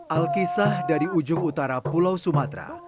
alkisah dari ujung utara pulau sumatera